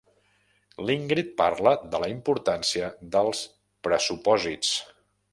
L'Ingrid parla de la importància dels pressupòsits.